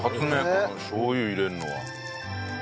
このしょう油入れるのは。